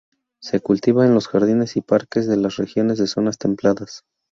Se cultiva en los jardines y parques de las regiones de zonas templadas.